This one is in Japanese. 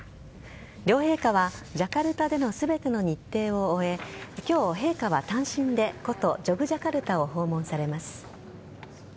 両陛下はジャカルタでの全ての日程を終え今日、陛下は単身で古都・ジョグジャカルタを訪問されます。